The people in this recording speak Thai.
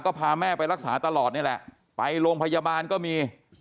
ก็พาแม่ไปรักษาตลอดนี่แหละไปโรงพยาบาลก็มี